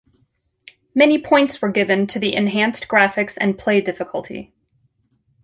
Many points were given to the enhanced graphics and play difficulty.